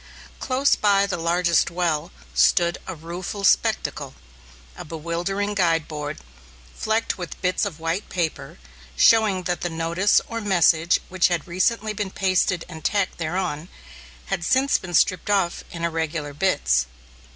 Close by the largest well stood a rueful spectacle, a bewildering guide board, flecked with bits of white paper, showing that the notice or message which had recently been pasted and tacked thereon had since been stripped off in irregular bits.